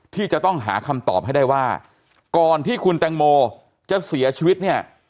ที่จะต้องหาคำตอบให้ได้ว่าก่อนที่คุณแตงโมจะเสียชีวิตเนี่ย